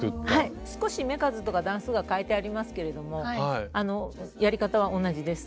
少し目数とか段数が変えてありますけれどもやり方は同じです。